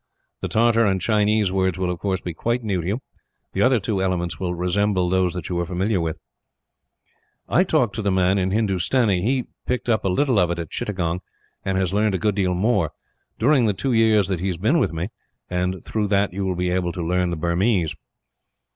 The Tartar and Chinese words will, of course, be quite new to you; the other two elements will resemble those that you are familiar with. "I talk to the man in Hindustani. He picked up a little of it at Chittagong, and has learned a good deal more, during the two years that he has been with me; and through that you will be able to learn Burmese."